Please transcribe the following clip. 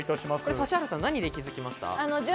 指原さん、何で気づきました？